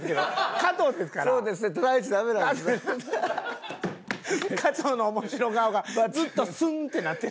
加藤の面白顔がずっとスン！ってなってる。